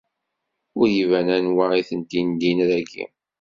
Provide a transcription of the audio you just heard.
Ur iban anwa i tent-indin dagi.